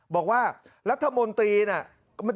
บอกว่ารัฐมนตรีที่เป็นหน้าเดิมใช่มั้ย